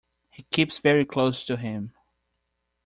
He keeps very close to him.